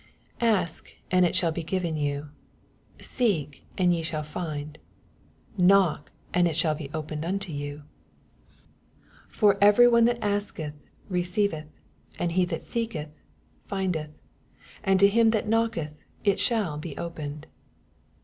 7 Ask, and it shall be given you : seek, and ye shall find ; knock, and it shall be opened unto ;;ou : 02 EXPOSITOBT THOUGHTS. 8 For 9vwy one that wketh reoeiv eth; and he that aeeketh flndeth ; «id to him that knocketh it shall be opened.